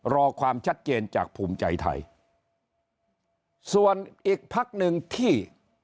รอความชัดเจนจากภูมิใจไทยส่วนอีกพักหนึ่งที่